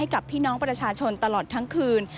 กับพี่น้องประชาชนตลอดทั้งคืน